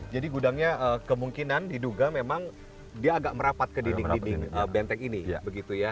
jadi gudangnya kemungkinan diduga memang dia agak merapat ke dinding dinding benteng ini